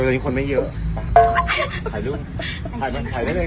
เดี๋ยวคนมับมุมไม่ได้ถ่าย